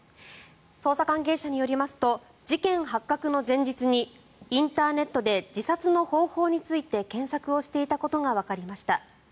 捜査関係者によりますと事件発覚の前日にインターネットで自殺の方法について検索をしていたことがわかりました。